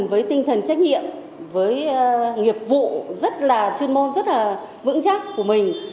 với tinh thần trách nhiệm với nghiệp vụ rất là chuyên môn rất là vững chắc của mình